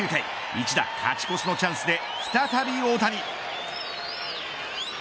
一打勝ち越しのチャンスで再び大谷。